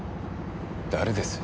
誰です？